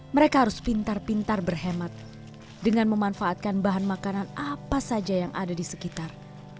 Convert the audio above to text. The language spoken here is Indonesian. mereka harus pintar pintar berhemat dengan memanfaatkan bahan makanan apa saja yang ada di sekitar